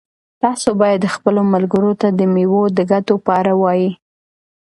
تاسو باید خپلو ملګرو ته د مېوو د ګټو په اړه ووایئ.